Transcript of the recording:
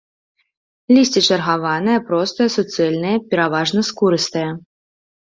Лісце чаргаванае, простае, суцэльнае, пераважна скурыстае.